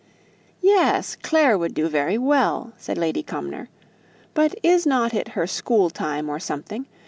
"Yes, Clare would do very well," said Lady Cumnor; "but isn't it her school time or something?